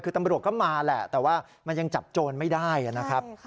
คือตำรวจก็มาแหละแต่ว่ามันยังจับโจรไม่ได้นะครับ